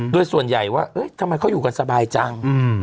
โดยส่วนใหญ่ว่าทำไมเขาอยู่กันสบายจัง